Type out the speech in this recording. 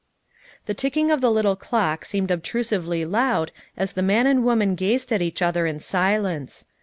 '' The ticking of the little clock seemed obtrusively loud as the man and woman gazed at each other in silence.